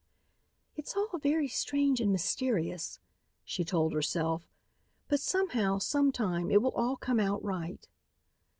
"It's all very strange and mysterious," she told herself, "but somehow, sometime, it will all come out right."